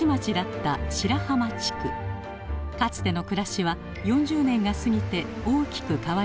かつての暮らしは４０年が過ぎて大きく変わりました。